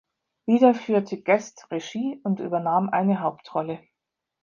Wieder führte Guest Regie und übernahm eine Hauptrolle.